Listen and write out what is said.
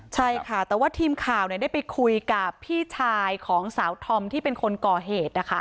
ใช่ค่ะแต่ว่าทีมข่าวได้ไปคุยกับพี่ชายของสาวธอมที่เป็นคนก่อเหตุนะคะ